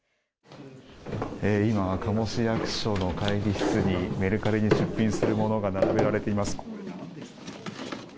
今、加茂市役所の会議室にメルカリに出品するものが並べられています。